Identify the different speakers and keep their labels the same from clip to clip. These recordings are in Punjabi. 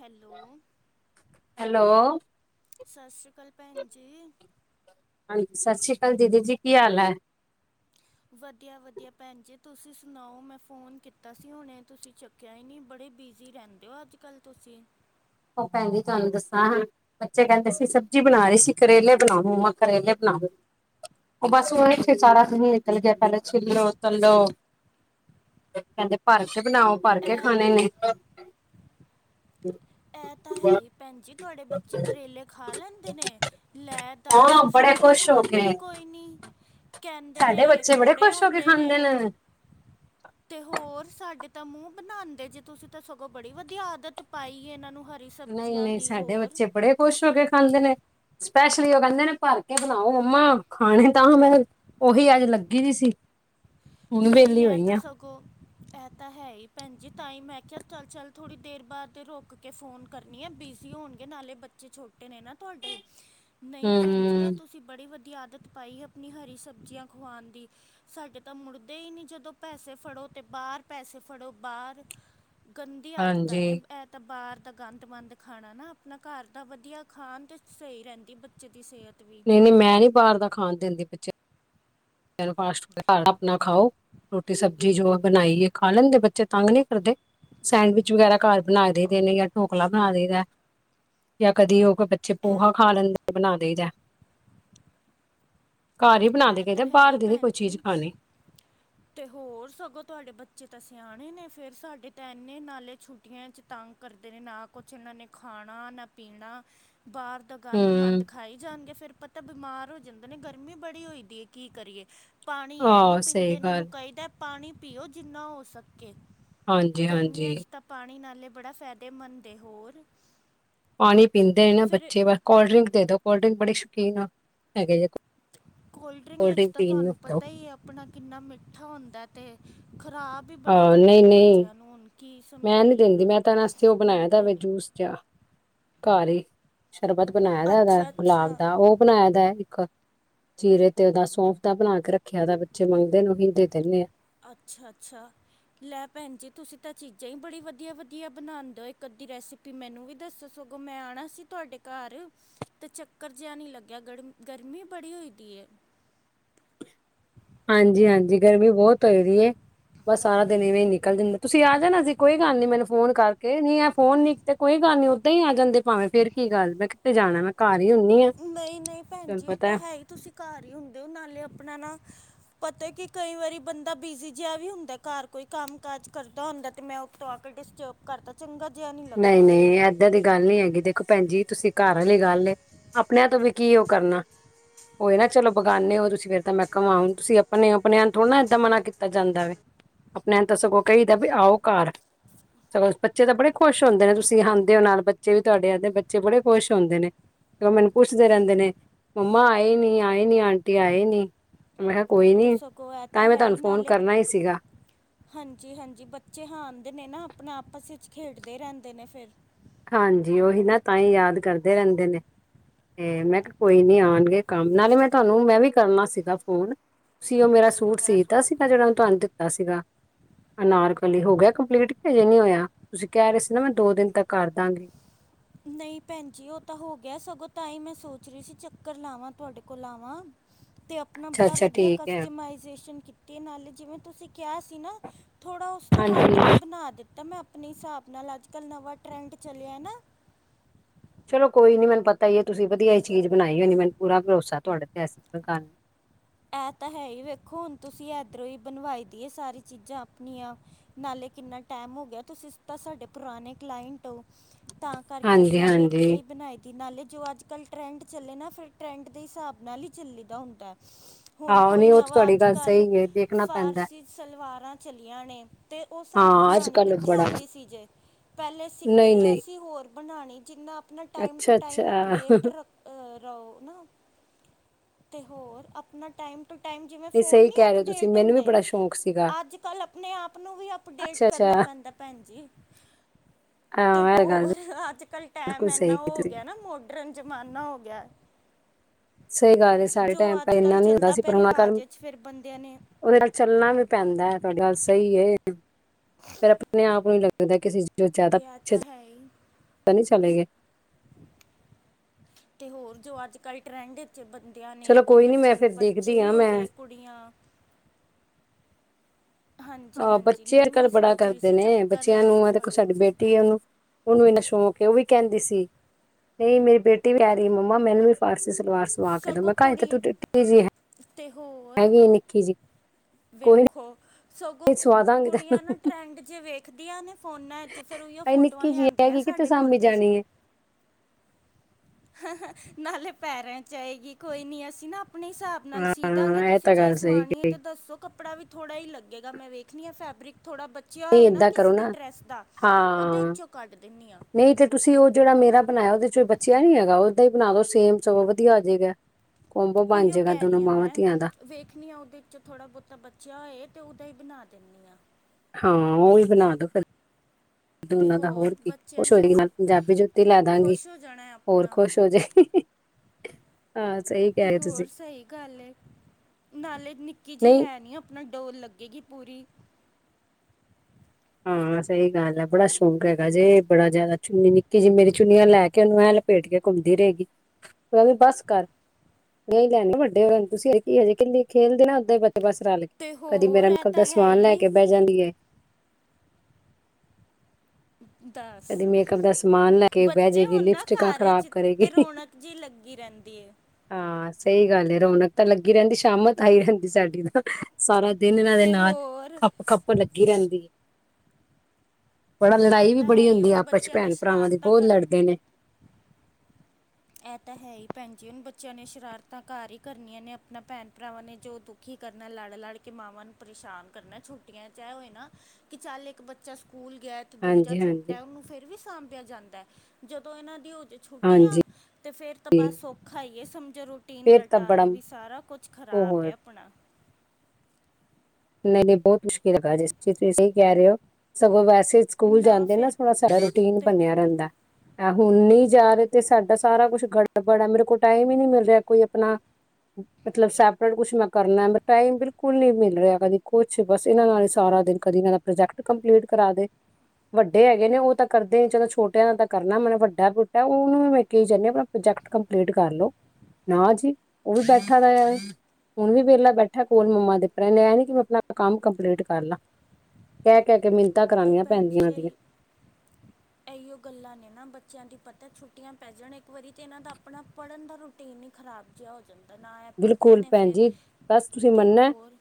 Speaker 1: ਹੈਲੋ,
Speaker 2: ਹੈਲੋ,
Speaker 1: ਸਸ ਰੀ ਕਾਲ ਭੈਨ ਜੀ।
Speaker 2: ਹਾਂਜੀ ਸਸ ਰੀ ਕਾਲ ਦੀਦੀ ਜੀ ਕੀ ਹਾਲ ਐ।
Speaker 1: ਵਦੀਆ-ਵਦੀਆ ਭੈਨ ਜੀ ਤੁਸੀਂ ਸੁਨਾਓ ਮੈਂ ਫੋਨ ਕੀਤਾ ਸੀ ਹੁਨੇ ਤੁਸੀਂ ਚੱਕ ਕਿਆ ਈ ਨੀ ਬੜੇ ਬਿਜ਼ੀ ਰੈਂਦੇ ਓ ਅੱਜ-ਕੱਲ੍ਹ ਤੁਸੀਂ
Speaker 2: ਓ ਭੈਨ ਜੀ ਤਾਨੂੰ ਦੱਸਾਂ। ਬੱਚੇ ਕੈਂਦੇ ਸੀ ਸਬਜ਼ੀ ਬਨਾ ਰਈ ਸੀ, ਕਰੇਲੇ ਬਨਾਵੋ ਮੰਮਾ ਕਰੇਲੇ ਬਨਾਵੋ। ਓ ਬਸ ਓਹੀ ਸਾਰਾ ਸ ਦਿਨ ਈ ਨਿਕਲ
Speaker 1: ਅੱਛਾ
Speaker 2: ਗੇਆ ਪੈਲੇ
Speaker 1: ਅੱਛਾ
Speaker 2: ਛਿਲੋ ਤਲੋ ਕੈਂਦੇ ਭਰ ਕੇ ਬਨਾਓ, ਭਰ ਕੇ
Speaker 1: ਇਹ
Speaker 2: ਖਾਨੇ ਨੇ।
Speaker 1: ਐ ਤਾਂ ਹੈ ਈ ਭੈਨ ਜੀ ਤੁਆਡੇ ਬੱਚੇ ਕਰੇਲੇ ਖਾ ਲੈਂਦੇ ਨੇ। ਲੈ
Speaker 2: ਹਾਂ
Speaker 1: ਦੱਸ
Speaker 2: ਬੜੇ
Speaker 1: ਸਾਡੇ ਤਾਂ
Speaker 2: ਖੁਸ਼ ਹੋ ਕੇ
Speaker 1: ਖਾਂਦੇ ਈ ਕੋਈ ਨੀ। ਕੈਂਦੇ
Speaker 2: ਸਾਡੇ
Speaker 1: ਨੇ
Speaker 2: ਬੱਚੇ ਬੜੇ
Speaker 1: ਕੋੜੇ
Speaker 2: ਖੁਸ਼ ਹੋ ਕੇ
Speaker 1: ਹੁੰਦੇ
Speaker 2: ਖਾਂਦੇ
Speaker 1: ਨੇ। ਤੇ ਹੋਰ ਸਾਡੇ ਤਾਂ ਮੂੰਹ ਬਨਾਂਦੇ ਜੇ ਤੁਸੀਂ ਤਾਂ ਸਗੋਂ ਬੜੀ ਵਦੀਆ ਆਦਤ ਪਾਈ। ਕੀ ਏਨਾਂ ਨੂੰ ਹਰੀ
Speaker 2: ਨਹੀਂ
Speaker 1: ਸਬਜ਼ੀਆਂ
Speaker 2: ਨਹੀਂ
Speaker 1: ਦੀ
Speaker 2: ਸਾਡੇ
Speaker 1: ਹੋਰ
Speaker 2: ਬੱਚੇ ਬੜੇ ਖੁਸ਼ ਹੋ ਕੇ ਖਾਂਦੇ ਨੇ, ਸਪੈਸ਼ਲੀ ਓ ਕੈਂਦੇ ਨੇ ਭਰ ਕੇ ਬਨਾਓ ਮੰਮਾ ਖਾਨੇ ਤਾਂ ਮੈਂ ਓਹੀ ਅੱਜ ਲੱਗੀ ਦੀ ਸੀ। ਹੁਣ ਵਿਹਲੀ
Speaker 1: ਨਈਂ ਐ
Speaker 2: ਹੋਈ
Speaker 1: ਤਾਂ
Speaker 2: ਆ
Speaker 1: ਸਬ ਕੋ ਐ ਤਾਂ ਹੈ ਈ ਭੈਨ ਜੀ ਤਾਂਈ ਮੈਂ ਕਿਆ ਚੱਲ ਚੱਲ ਥੋੜੀ ਦੇਰ ਬਾਦ ਤੇ ਰੁਕ ਕੇ ਫੋਨ ਕਰਨੀ ਆ ਬਿਜ਼ੀ ਹੋਨਗੇ ਨਾਲੇ ਬੱਚੇ ਛੋਟੇ ਨੇ ਨਾ ਤੁਆਡੇ। ਨਈਂ ਭੈਨ ਜੀ ਐ
Speaker 2: ਹਮ
Speaker 1: ਤੁਸ ਤੁਸੀਂ ਬੜੀ ਵਦੀਆ ਆਦਤ ਪਾਈ ਐ ਆਪਨੀ ਹਰੀ ਸਬਜ਼ੀਆਂ ਖਵਾਨ ਦੀ ਸਾਡੇ ਤਾਂ ਮੁੜ ਦੇ ਈ ਨਈਂ ਜਦੋਂ ਪੈਸੇ ਫੜੋ ਤੇ ਬਾਰ ਪੈਸੇ ਫੜੋ ਬਾਰ ਗੰਦੀ ਆਦਤਾਂ
Speaker 2: ਹਾਂਜੀ
Speaker 1: ਨੇ ਐ। ਤਾਂ ਬਾਰ ਦਾ ਗੰਦ ਮੰੰਦ ਖਾਨਾ ਨਾ ਆਪਨਾ ਘਰ ਦਾ ਵਦੀਆ ਖਾਨ ਤੇ ਸਈ ਰੈਂਦੀ ਬੱਚੇ ਦੀ ਸੇਤ ਵੀ।
Speaker 2: ਨਈਂ ਮੈਂ ਨੀ ਬਾਰ ਦਾ ਖਾਨ ਦੇਂਦੀ ਬੱਚੇਆਂ
Speaker 1: [unintelligible]
Speaker 2: ਫਾਸਟ ਫੂਡ ਆਪਨਾ ਖਾਓ, ਰੋਟੀ ਸਬਜ਼ੀ ਜੋ ਬਨਾਈਏ ਖਾ ਲੈਂਦੇ ਬੱਚੇ। ਤੰਗ ਨੀ ਕਰਦੇ, ਸੈਂਡਵਿਚ ਵਗੈਰਾ ਘਰ ਬਨਾ ਦੇਈ ਦੇ ਨੇ ਜਾਂ ਢੋਕਲਾ ਬਨਾ ਦੇਈ ਦਾ। ਜਾਂ ਕਦੀ ਓ ਬੱਚੇ
Speaker 1: ਇਹ
Speaker 2: ਪੋਹਾ
Speaker 1: ਤਾਂ
Speaker 2: ਖਾ ਲੈਂਦੇ ਨੇ ਬਨਾ ਦੇਈਦਾ। ਘਰ ਈ ਬਨਾ ਕੇ
Speaker 1: ਇਹ
Speaker 2: ਦੇਈਦੈ
Speaker 1: ਤਾਂ
Speaker 2: ਕਦੇ
Speaker 1: ਹੈ
Speaker 2: ਬਾਰ
Speaker 1: ਹੀ
Speaker 2: ਦੀ ਨੀ ਕੋਈ
Speaker 1: ਭੈਣ ਜੀ
Speaker 2: ਚੀਜ਼ ਖਾਨੀ।
Speaker 1: ਤੇ ਹੋਰ ਸਗੋਂ ਤੁਆਡੇ ਬੱਚੇ ਤਾਂ ਸਿਆਨੇ ਨੇ ਫੇਰ ਸਾਡੇ ਤਾਂ ਐਨੇ ਨਾਲੇ ਛੁ ਟੀਆਂ ਚ ਤੰਗ ਕਰਦੇ ਨੇ ਨਾ ਕੁਛ ਏਨਾਂ ਨੇ ਖਾਨਾ ਨਾ ਪੀਨਾ ਬਾਰ ਤਾਂ ਗੰਦ ਮੰੰਦ
Speaker 2: ਹੂੰ
Speaker 1: ਖਾਈ ਜਾਣਗੇ, ਫੇਰ ਪਤਾ ਬਿਮਾਰ ਹੋ ਜਾਂਦੇ ਨੇ, ਗਰਮੀ ਬੜੀ ਹੋਈਦੀ ਹੈ ਕੀ ਕਰੀਏ। ਪਾਣੀ ਐ ਨੀ
Speaker 2: ਆਹ
Speaker 1: ਪੀਂਦ
Speaker 2: ਸਹੀ ਗੱਲ
Speaker 1: ਪਾਣੀ ਪੀਣ, ਜਿਨ੍ਹਾਂ ਹੋ ਸਕੇ।
Speaker 2: ਹਾਂਜੀ
Speaker 1: ਗਰਮੀਆਂ
Speaker 2: ਹਾਂਜੀ
Speaker 1: 'ਚ ਤਾਂ ਪਾਣੀ ਨਾਲੇ ਬੜਾ ਫਾਇਦੇਮੰਦ ਏ, ਹੋਰ।
Speaker 2: ਪਾਣੀ ਪੀਂਦੇ ਨਾ
Speaker 1: ਫਿਰ
Speaker 2: ਬੱਚੇ, ਬਸ ਕੋਲਡ ਡਰਿੰਕ ਦੇ ਦੋ, ਕੋਲਡ ਡਰਿੰਕ ਬੜੇ ਸ਼ੌਕੀਨ ਆ ਹੈਗੇ ਜ।
Speaker 1: ਕੋਲਡ ਡਰਿੰਕ ਵਿੱਚ ਤਾਂ ਤੁਹਾਨੂੰ
Speaker 2: ਨੂੰ
Speaker 1: ਪਤਾ ਹੀ ਹੈ, ਆਪਣਾ ਕਿੰਨਾ ਮਿੱਠਾ ਹੁੰਦਾ ਤੇ ਖਰਾਬ ਵੀ ਬੜੀ
Speaker 2: ਆਹ ਨਹੀਂ
Speaker 1: ਕਰਦੀ ਹੈ
Speaker 2: ਨਹੀਂ
Speaker 1: ਬੱਚਿਆਂ ਨੂੰ, ਹੁਣ ਕੀ
Speaker 2: ਮੈਂ ਨੀ
Speaker 1: ਸਮਝਾਈਏ
Speaker 2: ਦਿੰਦੀ
Speaker 1: ਇਹਨਾਂ
Speaker 2: ਮੈਂ
Speaker 1: ਨੂੰ,
Speaker 2: ਤਾਂ ਨਾਸਤੇ ਉਹ ਬਣਾਇਆ ਦਾ
Speaker 1: ਮੁੜਦੇ
Speaker 2: ਵੇ
Speaker 1: ਨੀ।
Speaker 2: ਜੂਸ ਘਰ ਹੀ, ਸ਼ਰਬਤ ਬਣਾਇਏ ਦਾ ਉਹਦਾ
Speaker 1: ਅੱਛਾ
Speaker 2: ਗੁਲਾਬ
Speaker 1: ਅੱਛਾ
Speaker 2: ਦਾ, ਉਹ ਬਣਾਇਏ ਦਾ, ਇੱਕ ਜੀਰੇ ਤੇ ਉਹਦਾ ਸੌਫ ਦਾ ਬਣਾ ਕੇ ਰੱਖ ਖਿਆ ਦਾ ਬੱਚੇ ਮੰਗਦੇ ਨੇ, ਉਹੀ ਦੇ ਦਿੰਦੇ ਆਾਂ।
Speaker 1: ਅੱਛਾ- ਅੱਛਾ। ਲੈ ਭੈਣ ਜੀ, ਤੁਸੀਂ ਤਾਂ ਚੀਜ਼ਾਂ ਹੀ ਬੜੀ ਵਧੀਆ- ਵਧੀਆ ਬਣਾਂਦੇਓ, ਇੱਕ ਅੱਧੀ ਰੈਸਪੀ ਵੀ ਮੈਨੂੰ ਵੀ ਦੱਸੋ ਸਗੋਂ, ਮੈਂ ਆਉਣਾ ਸੀ ਤੁਹਾਡੇ ਘਰ ਤੇ ਚੱਕਰ ਜਿਹਾ ਨਹੀਂ ਲੱਗਿਆ, ਗਰਮੀ-ਗਰਮੀ ਬੜੀ ਹੋ ਦੀ ਏ। [unintelligible]
Speaker 2: ਹਾਂਜੀ -ਹਾਂਜੀ, ਗਰਮੀ ਬਹੁਤ ਹੋਏ ਦੀ। ਬਸ ਸਾਰਾ ਦਿਨ ਇਵੇਂ ਹੀ ਨਿਕਲ ਜਾਂਦਾ, ਤੁਸੀਂ ਆ ਜਾਣਾ ਸੀ ਕੋਈ ਗੱਲ ਨੀ ਮੈਨੂੰ ਫੋ ਕਰਕੇ, ਨੀ ਐ ਫੋਨ ਨੀ ਤੇ ਕੋਈ ਗੱਲ ਨੀ ਉਦਾਂ ਹੀ ਆ ਜਾਂਦੇ ਭਾਵੇਂ, ਫੇਰ ਕੀ ਗੱਲ ਮੈਂ ਕਿੱਥੇ ਜਾਣਾ ਮੈਂ ਕੱਰ ਹੀ ਹੁੰਦੀ। ਹਾਂ
Speaker 1: ਨਹੀਂ- ਨਹੀਂ ਭੈਣ
Speaker 2: ਤੁਹਾਨੂੰ
Speaker 1: ਜ ਉਹ ਤਾਂ
Speaker 2: ਪਤਾ
Speaker 1: ਹੈ ਹੀ, ਤੁਸੀਂ ਘਰ ਹੀ ਹੁੰਦੇ ਹੋ ਨਾਲੇ ਆਪਣਾ ਨਾ ਪਤਾ ਕੀ, ਕਈ ਵਾਰੀ ਬੰਦਾ ਬਿਜੀ ਜਿਹਾ ਵੀ ਹੁੰਦਾ। ਘਰ ਕੋਈ ਕੰਮ ਕਾਜ ਕਰਦਾ ਹੁੰਦਾ ਤੇ ਮੈਂ ਤਾਂ ਅ ਕੇ ਡਿਸਟਰਬ ਕਰਤਾ, ਚੰਗਾ ਜਿਹਾ ਨਹੀਂ
Speaker 2: ਨਹੀਂ
Speaker 1: ਲੱਗਦਾ
Speaker 2: ਨਹੀਂ ਐ ਇੱਦਾਂ ਦੀ ਗੱਲ ਨੀ ਹੈਗੀ ਦੇਖੋ ਭੈਣ ਜ, ਤੁਸੀਂ ਘਰ ਵਾਲੀ ਗੱਲ ਏ, ਆਪਣਿਆਂ ਤੋਂ ਵੀ ਕੀ ਉਹ ਕਰਨਾ। ਹੋਏ ਨਾ ਚਲੋ, ਬਗਾਨੇ ਹੋ ਤੁਸੀਂ ਫਿਰ ਤਾਂ ਮੈਂ ਕਵਾ, ਤੁਸੀਂ ਆਪਣੇ ਹੋ, ਆਪਣੇਿਆ ਨੂੰ ਥੋੜ੍ਹਾ ਨਾ ਏਦਾਂ ਮਨਾ ਕੀਤਾ ਜਾਂਦਾ ਵੇ। ਆਪਣੇ ਤਾਂ ਸਗੋਂ ਕਹੀਦਾ ਵੀ ਆਓ ਘਰ, ਸਗੋਂ ਬੱਚੇ ਤਾਂ ਬੜੇ ਖੁਸ਼ ਹੁੰਦੇ ਨੇ ਤੁਸੀਂ ਆਂਦੇ ਹੋ ਨਾਲ, ਬੱਚੇ ਵੀ ਤੁਹਾਡੇ ਆ ਬੱਚੇ ਬੜੇ ਖੁਸ਼ ਹੁੰਦੇ ਨੇ। ਸਗੋਂ ਮੈਨੂੰ ਪੁੱਛਦੇ ਰਹਿੰਦੇ ਨੇ, ਮੰਮਾ ਆਏ ਨੀ ਆਏ ਨੀ, ਆਂਟੀ ਆਏ ਨੀ। ਮੈਂ ਕਿਹਾ ਕੋਈ
Speaker 1: ਤੇ
Speaker 2: ਨੀ,
Speaker 1: ਸਗੋਂ ਇਹ
Speaker 2: ਤਾਂ ਹੀ ਮੈਂ
Speaker 1: ਹੈ
Speaker 2: ਤੁਹਾਨੂੰ ਫੋਨ
Speaker 1: ਨਾਲੇ
Speaker 2: ਕਰਨਾ ਹੀ ਸੀਗਾ।
Speaker 1: ਹਾਂਜੀ ਹਾਂਜੀ, ਬੱਚੇ ਹਾਂਣ ਦੇ ਨੇ ਨਾ ਆਪਣਾ, ਆਪਸ ਵਿੱਚ ਖੇਡਦੇ ਰਹਿੰਦੇ ਨੇ ਫਿਰ।
Speaker 2: ਹਾਂਜੀ ਉਹੀ ਨਾ, ਤਾਂ ਹੀ ਯਾਦ ਕਰਦੇ ਰਹਿੰਦੇ ਨੇ। ਤੇ ਮੈਂ ਕਿਹਾ ਕੋਈ ਨੀ ਆਉਣਗੇ ਕੰਮ, ਨਾਲੇ ਮੈਂ ਤੁਹਾਨੂੰ ਮੈਂ ਵੀ ਕਰਨਾ ਸੀਗਾ ਫੋਨ। ਤੁਸੀ ਉਹ ਮੇਰਾ ਸੂਟ ਸੀਤਾ ਸੀਗਾ, ਜਿਹੜਾ ਮੈਂ ਤੁਹਾਨੂੰ ਦਿ ਸੀਗਾ ਅਨਾਰਕਲੀ, ਹੋ ਗਿਆ ਕੰਪਲੀਟ ਕੇ ਅਜੇ ਨਹੀ ਹੋਇਆ? ਤੁਸੀਂ ਕਹਿ ਰਹੇ ਸੀ ਨਾ ਮੈਂ ਦੋ ਦਿਨ ਤੱਕ ਕਰਦਾਂਗੀ।
Speaker 1: ਨਹੀਂ ਭੈਣ ਜੀ, ਉਹ ਤਾਂ ਹੋ ਗਿਆ ਸਗੋਂ ਤਾਂ ਹੀ ਮੈਂ ਸੋਚ ਰਹੀ ਸੀ, ਚੱਕਰ ਲਾਵਾਂ ਤੁਹਾਡੇ ਕੋਲ ਆਵਾਂ। ਤੇ ਆਪਣਾ
Speaker 2: ਅੱਛਾ
Speaker 1: ਬੜਾ
Speaker 2: ਅੱਛਾ
Speaker 1: ਵਧੀਆ
Speaker 2: ਠੀਕ ਹੈ
Speaker 1: ਕਸਟਮਇਜ਼ਨ ਕੀਤੀ ਨਾਲੇ, ਜਿਵੇਂ ਤੁਸੀਂ ਕਿਹਾ ਸੀ ਨਾ ਥੋੜ੍ਹਾ ਉਸ ਤੋਂ ਹਟ
Speaker 2: ਹਾਂਜੀ
Speaker 1: ਕੇ ਬਣਾ ਦਿੱਤਾ ਮੈਂ ਆਪਣੇ ਹਿਸਾਬ ਨਾਲ, ਅੱਜ ਕੱਲ੍ਹ ਨਵਾਂ ਟਰੈਂਡ ਚਲਿਆ ਨਾ
Speaker 2: ਚਲੋ ਕੋਈ ਨੀ, ਮੈਨੂੰ ਪਤਾ ਹੈ ਤੁਸੀਂ ਵਧੀਆ ਹੀ ਚੀਜ਼ ਬਣਾਈ ਹੋ ਨੀ, ਮੈਨੂੰ ਪੂਰਾ ਭਰੋਸਾ ਤੁਹਾਡੇ ਤੇ ਐਸੀ ਕੋਈ ਗੱਲ ਨੀ।
Speaker 1: ਇਹ ਤਾਂ ਹੈ ਹੀ, ਵੇਖੋ ਹੁਣ ਤੁਸੀਂ ਇਧਰੋਂ ਹੀ ਬਣਵਾਈ ਦੀ ਹੈ ਸਾਰੀ ਚੀਜ਼ਾਂ ਆਪਣੀਆਂ ਨਾਲੇ ਕਿੰਨਾ ਟਾਈਮ ਹੋ ਗਿਆ, ਤੁਸੀਂ ਤਾਂ ਸਾਡੇ ਪੁਰਾਣੇ ਕਲਾਇੰਟ ਹੋ। ਤਾਂ ਕਰਕੇ
Speaker 2: ਹਾਂਜੀ
Speaker 1: ਆਪਣਾ, ਵੇਖ ਕੇ
Speaker 2: ਹਾਂਜੀ
Speaker 1: ਹੀ ਬਣਾਏ ਦੀ, ਨਾਲੇ ਜੋ ਅੱਜ ਕੱਲ੍ਹ ਟਰੈਂਡ ਚੱਲੇ ਨਾ, ਫਿਰ ਟਰੈਂਡ ਦੇ ਹਿਸਾਬ ਨਾਲ ਹੀ ਚੱਲੇ ਦਾ ਹੁੰਦਾ। ਹੁਣ
Speaker 2: ਆਹੋ
Speaker 1: ਕੋਈ
Speaker 2: ਨੀ ਉਹ ਤੇ
Speaker 1: ਨਵਾਂ
Speaker 2: ਤੁਹਾਡੀ
Speaker 1: ਅੱਜ
Speaker 2: ਗੱਲ
Speaker 1: ਕੱਲ੍ਹ,
Speaker 2: ਸਹੀ ਹੈ ਦੇਖਣਾ ਪੈਂਦਾ।
Speaker 1: ਫ਼ਾਰਸੀ ਸਲਵਾਰਾਂ ਚਲੀਆਂ ਨੇ। ਤੇ ਉ ਸਾਨੂੰ
Speaker 2: ਹਾਂ ਅੱਜ
Speaker 1: ਬਨਾਨੀ
Speaker 2: ਕੱਲ
Speaker 1: ਕਿੱਥੇ
Speaker 2: ਬੜਾ
Speaker 1: ਆਂਦੀ ਸੀ ਜੇ। ਪੈਲੇ
Speaker 2: ਨਹੀਂ
Speaker 1: ਸਿੱਖੀ
Speaker 2: ਨਹੀਂ
Speaker 1: ਅਸੀਂ ਹੋਰ ਬਣਾਨੀ, ਜਿੰਨਾ ਆਪਨਾ ਟਾਈਮ ਟੂ
Speaker 2: ਅੱਛਾ ਅੱਛਾ
Speaker 1: ਟਾਈਮ ਅਪਡੇਟ ਰ ਅ ਰਔ ਨਾ ਤੇ ਹੋਰ ਆਪਨਾ ਟਾਈਮ ਜਿਵੇਂ
Speaker 2: ਨਹੀਂ
Speaker 1: ਫੋਨ
Speaker 2: ਸਹੀ
Speaker 1: ਨੀ
Speaker 2: ਕਹਿ ਰਹੇ ਹੋ ਤੁਸੀਂ
Speaker 1: ਅਪਡੇਟ
Speaker 2: ਮੈਨੂੰ ਵੀ
Speaker 1: ਹੂਂਦੇ,
Speaker 2: ਬੜਾ ਸ਼ੌਕ ਸੀਗਾ।
Speaker 1: ਅੱਜ ਕੱਲ ਆਪਣੇ ਆਪ ਨੂੰ ਵੀ ਅਪਡੇਟ
Speaker 2: ਅੱਛਾ ਅੱਛਾ
Speaker 1: ਕਰਨਾ ਪੈਂਦਾ ਭੈਣ ਜੀ। ਤੇ
Speaker 2: ਹਾਂ ਇਹ ਗੱਲ
Speaker 1: ਹੋਰ ਅੱਜ ਕੱਲ੍ਹ ਟੈਮ
Speaker 2: ਬਿਲਕੁਲ
Speaker 1: ਏਨਾ
Speaker 2: ਸਹੀ
Speaker 1: ੳ ਹੋ
Speaker 2: ਕੀਤੀ। ਤੁਸੀਂ।
Speaker 1: ਗਿਆ ਨਾ, ਮੋਡਰਨ ਜ਼ਮਾਨਾ ਹੋ ਗਿਆ।
Speaker 2: ਸਈ ਗੱਲ ਏ ਸਾਰੇ
Speaker 1: ਜੋ
Speaker 2: ਟਾਈਮ ਤਾਂ
Speaker 1: ਅੱਜ
Speaker 2: ਇਨਾ
Speaker 1: ਕੱਲ੍ਹ
Speaker 2: ਨੀ ਹੁੰਦਾ
Speaker 1: ਚੱਲਦਾ
Speaker 2: ਸੀ ਪਰ
Speaker 1: ਪਿਆ
Speaker 2: ਹੁਣ ਕ
Speaker 1: ਰਿਵਾਜ਼ ਵਿੱਚ ਫਿਰ ਬੰਦਿਆਂ ਨੇ
Speaker 2: ਉਦੇ ਨਾਲ ਚੱਲਣਾ ਵੀ ਪੈਂਦੈ, ਤੁਹਾਡੀ ਗੱਲ ਸਈ ਏ ਫੇਰ ਆਪਣੇ ਆਪ ਨੂੰ ਲ ਜੋ ਜ਼ਿਆਦਾ
Speaker 1: ਤੇ ਇਹ
Speaker 2: ਪਿੱਛੇ
Speaker 1: ਤਾਂ ਹੈ ਹੀ
Speaker 2: ਨਹੀਂ ਚਲੇ ਗ [unintelligible]
Speaker 1: ਤੇ ਹੋਰ ਜੋ ਅੱਜ ਕੱਲ ਟਰੈਂਡ ਜੇ ਬੰਦਿਆਂ ਨੇ
Speaker 2: ਚਲੋ
Speaker 1: ਕਿ
Speaker 2: ਕੋਈ ਨੀ ਮੈਂ ਫਿਰ
Speaker 1: ਬੱਚੇ-ਬੱਚੇ
Speaker 2: ਦੇਖਦੀ
Speaker 1: ਈ
Speaker 2: ਹਾਂ
Speaker 1: ਹੋ
Speaker 2: ਮੈਂ
Speaker 1: ਗਏ ਕੁੜੀਆਂ ਹਾਂਜੀ
Speaker 2: ਆਹ
Speaker 1: ਹਾਂਜੀ
Speaker 2: ਬੱਚੇ ਅੱਜ
Speaker 1: ਨਹੀਂ
Speaker 2: ਕੱਲ੍ਹ
Speaker 1: ਮੈਂ
Speaker 2: ਬੜਾ
Speaker 1: ਸੋਚ ਰਹੀ
Speaker 2: ਕਰਦੇ
Speaker 1: ਸੀ
Speaker 2: ਨੇ,
Speaker 1: ਚੱਕਰ
Speaker 2: ਬੱਚਿਆਂ
Speaker 1: ਲਾਵਾਂ
Speaker 2: ਨੂੰ ਤੇ
Speaker 1: ਤੁਹਾਡੇ
Speaker 2: ਸਾਡੀ
Speaker 1: ਕੋਲ
Speaker 2: ਬੇਟੀ ਉਨੂੰ ਉਨੂੰ ਇਨਾ ਸ਼ੌਕੇ ਏ ਉ ਵੀ ਕੈਂਦੀ ਸੀ, ਨਈ ਮੇਰੀ ਬੇਟੀ ਵੀ ਆ ਰਈ ਮੰਮਾ ਮੈਨੂੰ ਵੀ ਫਾਰਸੀ ਸਲਵਾਰ ਸਵਾ ਕੇ ਦੋ,
Speaker 1: ਸਗੋਂ
Speaker 2: ਮੈਂ ਕਿਹਾ ਤੇ
Speaker 1: ਕੁੜੀ
Speaker 2: ਤੂੰ ਟਿੱਡੀ ਜੀ ਹੈ
Speaker 1: ਤੇ ਹੋਰ
Speaker 2: ਹੈਗੀ ਨਿੱਕੀ ਜੀ। ਕੋਈ
Speaker 1: ਵੇਖੋ ਸਗੋਂ
Speaker 2: ਨੀ ਸਵਾ ਦਾਂਗੀ
Speaker 1: ਕੁੜੀਆਂ ਨਾ
Speaker 2: ਤੈਨੂੰ
Speaker 1: ਟਰੈਂਡ ਜੇ ਵੇਖਦੀਆਂ ਨੇ ਫੋਨਾਂ ਤੇ ਫੇਰ ਉਈੳ
Speaker 2: ਇਹ
Speaker 1: ਫੋਟੋਆਂ
Speaker 2: ਨਿੱਕੀ ਜੀ
Speaker 1: ਲਿਆਂਂਦੀਆਂ
Speaker 2: ਹੈਗੀ ਕਿਤੇ
Speaker 1: ਸਾਡੇ ਕੋਲ
Speaker 2: ਸਾਂਭੀ
Speaker 1: ਤੇ
Speaker 2: ਜਾਣੀ ਹੈ
Speaker 1: ਨਾਲੇ ਪੈਰਾਂ ਚ ਆਏਗੀ, ਕੋਈ ਨੀ ਅਸੀਂ ਨਾ ਆਪਣੇ ਹਿਸਾਬ ਨਾਲ ਸੀਦਾਂਗੇ
Speaker 2: ਹਾਂ ਇਹ
Speaker 1: ਤੁਸੀਂ
Speaker 2: ਤਾਂ
Speaker 1: ਚਾਹੇ
Speaker 2: ਗੱਲ ਸਹੀ
Speaker 1: ਸਵਾਣੀਏ
Speaker 2: ਕਹੀ
Speaker 1: ਤੇ ਦੱਸੋ ਕੱਪੜਾ ਵੀ ਥੋੜਾ ਈ ਲੱਗੇਗਾ ਮੈਂ ਵੇਖਨੀ ਆਂ ਫੈਬਰਿਕ ਥੋੜਾ ਬ ਚੇਆ
Speaker 2: ਨਹੀਂ
Speaker 1: ਹੋਏ ਨਾ
Speaker 2: ਏਦਾਂ
Speaker 1: ਕਿਸੇ
Speaker 2: ਕਰੋ
Speaker 1: ਦੀ ਡਰੈੱਸ ਦਾ, ਉਦੇ
Speaker 2: ਹਾਂ
Speaker 1: ਚੋਂ ਕੱਢ ਦਿੰਨੀ ਹਾਂ।
Speaker 2: ਨਹੀਂ ਤੇ ਤੁਸੀਂ ਉ ਜੇੜਾ ਮੇਰਾ ਬਣਾਇਆ ਉਦੇ ਚੋਂ ਬਚਿਆ ਨੀ ਹੈਗਾ, ੳਦਾਂ ਈ ਬਣਾ ਦੋ ਸੇਮ ਸਗੋ ਵਧੀਆ ਹੋਜੇਗਾ।
Speaker 1: ਉਈਓ ਕੈ ਰਈ ਆਂ ਮੈਂ
Speaker 2: ਦਾ
Speaker 1: ਵੇਖਣੀ ਹਾਂ ਉਦੇ ਚ ਥੋੜਾ ਬੋਤਾ ਬੱਚਿਆ ਹੋਏ ਤੇ ਉਦਾ ਈ ਬਨਾ ਦਿੰਨੀ ਹਾਂ।
Speaker 2: ਹਾਂ ਉਈ ਬਣਾ ਦੋ ਫੇਰ
Speaker 1: [inaudible] ਤੇ ਹੋਰ ਬੱਚਿਆਂ
Speaker 2: ਹੋ
Speaker 1: ਨੇ
Speaker 2: ਜਾਏਗੀ ਨਾਲ
Speaker 1: ਹੋਰ
Speaker 2: ਪੰਜਾਬੀ ਜੁੱਤੀ ਲੈ ਦਾਂਗੀ
Speaker 1: ਖੋਸ਼ ਹੋ ਜਾਣਾ
Speaker 2: ਹੋਰ
Speaker 1: ਆਪਣਾ
Speaker 2: ਖੁਸ਼ ਹੋ ਜਾਏਗੀ ਹਾਂ ਸਹੀ
Speaker 1: [inaudible]
Speaker 2: ਕਹਿ
Speaker 1: ਤੇ
Speaker 2: ਰਹੇ
Speaker 1: ਹੋਰ
Speaker 2: ਤੁਸੀਂ
Speaker 1: ਸਹੀ ਗੱਲ ਏ, ਨਾਲੇ ਨਿੱਕੀ ਜਿਹੀ
Speaker 2: ਨਹੀਂ
Speaker 1: ਹੈ ਨੀ ਆਪਣਾ ਡੋਲ ਲੱਗੇਗੀ ਪੂਰੀ।
Speaker 2: ਹਾਂ ਸਈ ਗੱਲ ਐ, ਬੜਾ ਸ਼ੌਂਕ ਹੈਗਾ ਜੇ ਬੜਾ ਜਾਦਾ ਚੁਨੀ ਨੀਕਿ ਜਿ ਮੇਰੀ ਚੁੰਨੀਆਂ ਲੈ ਕੇ ਉਨੂੰ ਐ ਲਪੇਟ ਕੇ ਘੁੰਮਦੀ ਰਏਗੀ ਕਵਾਂਗੀ ਬੱਸ ਕਰ ਨਹੀਂ ਲੈਣੀ ਵੱਡੇ ਹੋ ਤੁਸੀਂ ਹਜੇ ਕਲੀ ਖੇਲਦੀ ਨਾ, ਰਲ ਕੇ
Speaker 1: ਤੇ
Speaker 2: ਕਦੀ
Speaker 1: ਹੋਰ
Speaker 2: ਮੇਰਾ
Speaker 1: ਇਹ
Speaker 2: ਮੇਕਅੱਪ ਦਾ
Speaker 1: ਤਾਂ ਹੈ
Speaker 2: ਸਮਾਨ ਲੈ
Speaker 1: ਹੀ
Speaker 2: ਕੇ ਬੈ ਜਾਂਦੀ ਏ।
Speaker 1: ਦੱਸ,
Speaker 2: ਕਦੀ ਮੇਕਅਪ ਦਾ ਸਮਾਨ ਲੈ ਕੇ ਬਹਿ
Speaker 1: ਬੱਚੇ
Speaker 2: ਜਾਏਗੀ
Speaker 1: ਹੋਨ ਨਾ
Speaker 2: ਲਿਪਸਟਿਕਾਂ
Speaker 1: ਘਾਰ
Speaker 2: ਖਰਾਬ
Speaker 1: ਚ ਤੇ
Speaker 2: ਕਰੇਗੀ
Speaker 1: ਰੌਣਕ ਜਿ ਲੱਗੀ ਰੈਂਦੀ ਏ
Speaker 2: ਹਾਂ ਸਹੀ ਗੱਲ ਏ, ਰੌਨਕ ਤਾਂ ਲੱਗੀ ਰੈਂਦੀ ਸ਼ਾਮਤ ਆਈ ਰੈਂਦੀ ਸਾਡੀ ਤਾਂ ਸਾਰਾ ਦਿਨ ਇਨਾਂ ਦੇ
Speaker 1: ਤੇ
Speaker 2: ਨਾਲ
Speaker 1: ਹੋਰ
Speaker 2: ਖੱਪ -ਖੱਪ ਲੱਗੀ ਰੈਂਦੀ ਏ ਬੜਾ
Speaker 1: ਇਹ
Speaker 2: ਲੜਾਈ ਵੀ
Speaker 1: ਤਾਂ ਹੈ
Speaker 2: ਬੜੀ
Speaker 1: ਹੀ
Speaker 2: ਹੁੰਦੀ ਆ
Speaker 1: ਹੁਣ
Speaker 2: ਆਪਸ ਚ
Speaker 1: ਬੱਚਿਆਂ ਨੇ
Speaker 2: ਭੈਣ ਭਰਾਵਾਂ ਦੀ
Speaker 1: ਸ਼ਰਾਰਤਾਂ
Speaker 2: ਬਹੁਤ
Speaker 1: ਕਰ
Speaker 2: ਲੜਦੇ ਨੇ
Speaker 1: ਐ ਤਾਂ ਹੈ ਈ ਭੈਣ ਜੀ ਹੁਨ ਬੱਚਿਆਂ ਨੇ ਸ਼ਰਾਰਤਾਂ ਘਰ ਈ ਕਰਨੀਆਂ ਨੇ ਆਪਨਾ ਭੈਨ ਭਰਾਵਾਂ ਨੇ ਜੋ ਦੁੱਖ ਕੀ ਕਰਨਾ ਲੜ -ਲੜ ਕੇ ਮਾਵਾਂ ਨੂੰ ਪਰੇਸ਼ਾਨ ਕਰਨਾ ਛੁਟੀਆਂ 'ਚ ਐ ਹੋਏ ਨਾ ਕਿ ਚੱਲ ਏਕ ਬੱਚਾ ਸਕੂਲ ਗਿਆ ਤੇ ਦੂਜਾ
Speaker 2: ਹਾਂਜੀ ਹਾਂਜੀ
Speaker 1: ਛੋਟੈ ਉਨੂੰ ਫੇਰ ਵੀ ਸਾਂਭਿਆ ਜਾਂਦੈ, ਜਦੋਂ ਇਨਾਂ ਦੀ ਹੋਜੇ ਛੁੱਟੀਆਂ
Speaker 2: ਹਾਂਜੀ
Speaker 1: ਤੇ ਫੇਰ ਤਾਂ ਬਸ ਔਖਾ ਈ ਏ, ਸਮਝੋ ਰੂਟੀਨ
Speaker 2: ਫੇਰ ਤਾਂ ਬੜਾ
Speaker 1: ਰਟਾਨ ਵੀ ਸਾਰਾ ਕੁਛ
Speaker 2: ਉਹ
Speaker 1: ਖ਼ਰਾਬ ਐ ਆਪਣਾ
Speaker 2: ਨਈ- ਨਈ ਬੋਤ ਮੁਸ਼ਕਿਲ ਹੈਗਾ ਜਿਸ ਚੀ ਤੁਸੀਂ ਸਈ ਕੈ ਰਹੇ ੳ। ਸਗੋਂ ਵੈਸੇ ਸਕੂਲ ਜਾਂਦੇ ਨਾ ਸਗੋ ਸਾਡਾ ਰੂਟੀਨ
Speaker 1: ਤੇ
Speaker 2: ਬਣਿਆ
Speaker 1: ਹੋਰ
Speaker 2: ਰੈਦੈ ਆ ਹੁਣ ਨੀ ਜਾ ਰਹੇ ਤੇ ਸਾਡਾ ਸਾਰਾ ਕੁਛ ਗੜਬੜ ਐ ਮੇਰੇ ਟਾਈਮ ਹੀ ਨੀ ਮਿਲ ਰਿਹਾ ਕੋਈ ਆਪਣਾ, ਮਤਲਬ ਸੈਪਰੇਟ ਕੁਛ ਮ ਕਰਨਾ ਮੈਂ ਟਾਈਮ ਬਿਲਕੁਲ ਨੀ ਮਿਲ ਰਿਹਾ। ਕਦੀ ਕੁਛ ਬਸ ਇਹਨਾਂ ਨਾਲ ਹੀ ਸਾਰਾ ਦਿਨ ਕਦੀ ਇਹਨਾਂ ਦਾ ਪ੍ਰੋਜੈਕਟ ਕੰਪਲੀਟ ਕਰਾ ਦੇ। ਵੱਡੇ ਹੈਗੇ ਨੇ ਉਹ ਤਾਂ ਕਰਦੇ ਜਦੋ ਛੋਟਿਆਂ ਦਾ ਤਾਂ ਕਰਨਾ ਮ ਵੱਡਾ ਮੁੰਡਾ ਉਹਨੂੰ ਵੀ ਮੈਂ ਕਹੀ ਜਾਂਨੀ ਆ ਪ੍ਰੋਜੈਕਟ ਕੰਪਲੀਟ ਕਰ ਲੋ, ਨਾ ਜੀ, ਉਹ ਵੀ ਬੈਠਾ ਦਾ ਏ। ਹੁਣ ਵੀ ਵੇਲਾ ਬੈਠਾ ਕੋਲ ਮੰਮਾ ਦੇ ਪਹਿਲੇ ਐ ਨੀ ਆਪਣਾ ਕੰਮ ਕੰਪਲੀਟ ਕਰ ਲੈ, ਕਹਿ-ਕਹਿ ਕੇ ਮਿੰਨਤਾਂ
Speaker 1: ਤੇ
Speaker 2: ਕਰਾਣੀਆਂ
Speaker 1: ਭੈਣ
Speaker 2: ਪੈਂਦੀਆਂ
Speaker 1: ਜੀ
Speaker 2: ਉਹਦੀਆ।
Speaker 1: ਇਹੀ [inaudible] ਇਹੀਓ ਗੱਲਾਂ ਨੇ ਨਾ ਬੱਚਿਆਂ ਦੀ ਪਤਾ ਛੁੱਟੀਆਂ ਪੈ ਜਾਣ ਇੱਕ ਵਾਰੀ ਤੇ ਇਹਨਾਂ ਦਾ ਆਪਣਾ ਪੜ੍ਹਨ ਦਾ ਰੂਟੀਨ ਹੀ ਖ਼ਰਾਬ ਜਿਹਾ ਹੋ ਜਾਂਦਾ ਨਾ ਇਹ ਪੜ੍ਹਦੇ
Speaker 2: ਬਿਲਕੁਲ
Speaker 1: ਨੇ
Speaker 2: ਭੈਣ
Speaker 1: ਫਿਰ
Speaker 2: ਜੀ ਬਸ ਤੁਸੀਂ
Speaker 1: ਤੇ
Speaker 2: ਮੰਨਨਾ
Speaker 1: ਹੋਰ।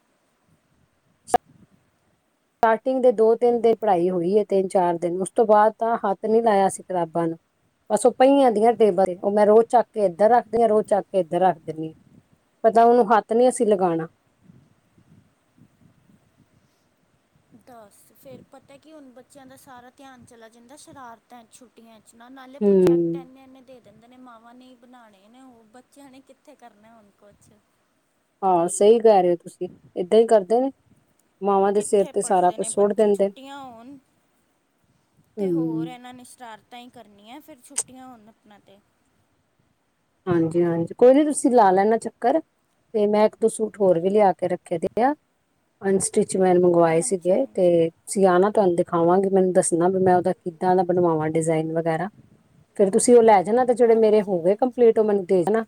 Speaker 2: ਸਟਾਰਟਿੰਗ ਦੇ ਦੋ-ਤਿੰਨ ਦੇ ਪੜ੍ਹਾਈ ਹੋਈ ਹੈ ਤਿੰਨ-ਚਾਰ ਦਿਨ ਉਸ ਤੋਂ ਬਾਅਦ ਤਾਂ ਹੱਥ ਨਹੀਂ ਲਾਇਆ ਸੀ ਕਿਤਾਬਾਂ ਨੂੰ। ਬਸ ਉਹ ਪਹੀਆਂ ਦੀਆਂ ਟੇਬਲ ਤੇ ਉਹ ਮੈਂ ਰੋਜ਼ ਚੱਕ ਕੇ ਇੱਧਰ ਰੱਖਦੀ ਆ ਰੋਜ਼ ਚੱਕ ਕੇ ਇੱਧਰ ਰੱਖ ਦਿੰਨੀ ਆ। ਪਤਾ ਉਹਨੂੰ ਹੱਥ ਨੀ ਅਸੀਂ ਲਗਾਣਾ।
Speaker 1: ਦਸ, ਫਿਰ ਪਤਾ ਕਿ ਹੁਣ ਬੱਚਿਆਂ ਦਾ ਸਾਰਾ ਧਿਆਨ ਚਲਾ ਜਾਂਦਾ ਸ਼ਰਾਰ ਛੁੱਟੀਆਂ 'ਚ ਨਾ ਨਾਲੇ
Speaker 2: ਹੂੰ
Speaker 1: ਪ੍ਰੋਜੈਕਟ ਇਨੇੇ-ਇਨੇ ਕਹਿੰਦੇ ਨੇ ਮਾਵਾਂ ਨੇ ਬਣਾਣੇ ਨੇ ਉਹ ਬੱਚਿਆਂ ਨੇ ਕਿੱਥੇ ਕਰਨਾ ਹੁਣ ਕੁਛ।
Speaker 2: ਹਾਂ ਸਹੀ ਕਹਿ ਰਹੇ ਹੋ ਤੁਸੀਂ, ਏਦਾਂ ਈ ਕਰਦੇ ਨੇ। ਮਾਵਾਂ ਦੇ ਸਿਰ
Speaker 1: ਕਿੱਥੇ
Speaker 2: ਤੇ ਸਾਰਾ
Speaker 1: ਪੜ੍ਹਦੇ
Speaker 2: ਕੁਛ
Speaker 1: ਨੇ
Speaker 2: ਸੁੱਟ
Speaker 1: ਬੱਚੇ
Speaker 2: ਦਿੰਦੇ ਨੇ
Speaker 1: ਛੁੱਟੀਆਂ ਹੋਣ ਤੇ ਹੋਰ
Speaker 2: ਹੂੰ
Speaker 1: ਇਹਨਾਂ ਨੇ ਸ਼ਰਾਰਤਾਂ ਹੀ ਕਰਨੀਆਂ ਫਿਰ ਛੁੱਟੀਆਂ ਹੋਣ ਆਪਣਾ ਤੇ।
Speaker 2: ਹਾਂਜੀ-ਹਾਂਜੀ ਕੋਈ ਨੀ ਤੁਸੀਂ ਲਾ ਲੈਣਾ ਚੱਕਰ। ਤੇ ਮੈਂ ਇੱਕ-ਦੋ ਸੂਟ ਹੋਰ ਵੀ ਲਿਆ ਕੇ ਰੱਖੇ ਦੇ ਆ। ਅਨਸਟਿਚ ਮੈਂ ਮੰਗਵਾਏ
Speaker 1: ਹਾਂਜੀ
Speaker 2: ਸੀਗੇ ਤੇ
Speaker 1: ਹਾਂਜੀ
Speaker 2: ਤੁਸੀਂ ਆਣਾ ਤੁਹਾਨੂੰ ਦਿਖਾਵਾਂਗੇ ਮੈਨੂੰ ਦੱਸਣਾ ਵੀ ਮੈਂ ਕਿੱਦਾਂ ਦਾ ਬਣਵਾਵਾਂ ਡਿਜ਼ਾਇਨ ਵਗੈਰਾ, ਫੇਰ ਤੁਸੀਂ ਉਹ ਲੈ ਜਾਣਾ ਤੇ ਜਿਹੜੇ ਮੇਰੇ
Speaker 1: ਹਾਂਜੀ
Speaker 2: ਹੋ ਗਏ
Speaker 1: ਹਾਂਜੀ
Speaker 2: ਕੰਪਲੀਟ ਉਹ ਮੈਨੂੰ ਦੇ ਦੇਨਾ।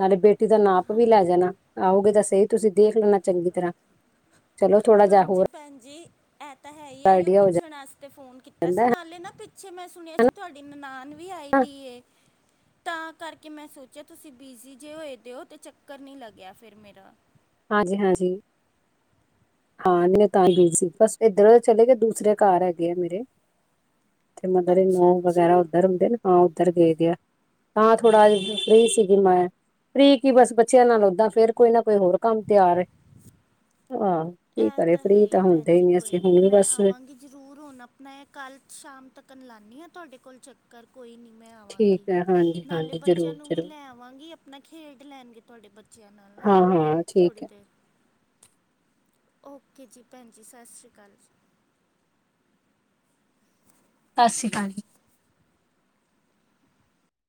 Speaker 2: ਨਾਲੇ ਬੇਟੀ ਦਾ ਨਾਪ ਵੀ ਲੈ ਜਾਣਾ, ਆਓਗੇ ਤਾਂ ਸਹੀ ਤੁਸੀਂ ਦੇਖ ਲੈਣਾ ਚੰਗੀ ਤਰ੍ਹਾਂ। ਚਲੋ ਥੋੜਾ ਜਿਹਾ
Speaker 1: ਹਾਂਜੀ
Speaker 2: ਹੋਰ
Speaker 1: ਭੈਣ ਜੀ, ਐ ਤੇ ਹੈ ਇਹੀ ਉਹ
Speaker 2: ਆਈਡੀਆ
Speaker 1: ਪੁੱਛਣ
Speaker 2: ਹੋ
Speaker 1: ਵਾਸਤੇ ਪੁੱਛਣ ਵਾਸਤੇ ਫੋਨ ਕੀਤਾ ਸੀ
Speaker 2: ਜਾਂਦਾ
Speaker 1: ਨਾਲੇ ਨਾ ਅੱਛਾ ਮੈਂ ਸੁਣਿਆ ਸੀ ਤੁਹਾਡੀ ਨਨਾਨ ਵੀ ਆਈ ਦੀ ਏ ਤਾਂ ਕਰਕੇ ਮੈਂ ਸੋਚਿਆ ਤੁਸੀਂ ਬਿਜ਼ੀ ਜੇ ਹੋਏ ਦਿਓ ਤਾਂ ਚੱਕਰ ਨਹੀਂ ਲੱਗਿਆ ਫਿਰ ਮੇਰਾ।
Speaker 2: ਹਾਂਜੀ-ਹਾਂਜੀ। ਹਾਂ ਨਹੀਂ ਮੈਂ ਤਾਂ ਹੀ ਬੀਜੀ ਸੀ ਬਸ ਇੱਧਰੋਂ ਚਲੇ ਗਏ ਦੂਸਰੇ ਕਾਰ ਹੈਗੇ ਆ ਮੇਰੇ। ਤੇ ਮਦਰ ਇਨ
Speaker 1: ਅੱਛਾ
Speaker 2: ਲੋ
Speaker 1: ਅੱਛਾ
Speaker 2: ਵਗੈਰਾ ਉੱਧਰ ਹੁੰਦੇ ਨਾ, ਹਾਂ ਉੱਧਰ ਗਏ ਦੇ ਆ। ਹਾਂ ਥੋੜਾ ਅੱਜ ਫ੍ਰੀ ਸੀਗੀ ਮੈਂ। ਫ੍ਰੀ ਕੀ ਬਸ ਬੱਚਿਆਂ ਨਾਲ ਓਦਾਂ ਫੇਰ ਕੋਈ ਨਾ ਕੋਈ ਹੋਰ- ਕੰਮ ਤਿਆਰ ਏ।
Speaker 1: ਐ ਤਾਂ ਹੈ ਈ ਭੈਣ ਜੀ ਕੋਈ ਨੀ, ਮੈਂ
Speaker 2: ਬਸ
Speaker 1: ਆਵਾਂਗੀ। ਜ਼ਰੂਰ ਹੁਣ ਆਪਣਾ ਕੱਲ੍ਹ ਸ਼ਾਮ ਤੱਕ ਲਾਂਨੀ ਆ ਤੁਹਾਡੇ ਕੋਲ ਚੱਕ ਕਰ ਕੋਈ ਨਹੀਂ ਮੈਂ
Speaker 2: ਠੀਕ
Speaker 1: ਆਵਾਂਗੀ।
Speaker 2: ਹੈ ਹਾਂਜੀ
Speaker 1: ਨਾਲੇ
Speaker 2: ਹਾਂਜੀ
Speaker 1: ਬੱਚਿਆਂ
Speaker 2: ਜ਼ਰੂਰ
Speaker 1: ਨੂੰ ਵੀ
Speaker 2: ਜ਼ਰੂਰ
Speaker 1: ਲੈ ਆਵਾਂਗੀ ਆਪਣਾ ਖੇਡ ਲੈਣਗੇ ਤੁਹਾਡੇ ਬੱਚਿਆਂ ਨਾਲ ਨਾ।
Speaker 2: ਹੂੰ-ਹੂੰ
Speaker 1: ਥੋੜੀ
Speaker 2: ਠੀਕ ਐ।
Speaker 1: ਦੇਰ ਓਕੇ ਜੀ ਭੈਣ ਜੀ ਸਾਸਰੀ ਕਾਲ ਜੀ।
Speaker 2: ਸਾਸਰੀ ਕਾਲ ਜੀ।